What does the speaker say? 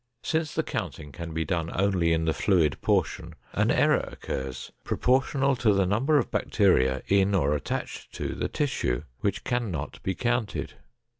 Since the counting can be done only in the fluid portion, an error occurs proportional to the number of bacteria in or attached to the tissue which cannot be counted.